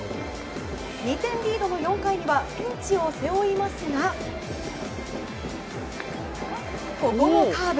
２点リードの４回にはピンチを背負いますがここもカーブ。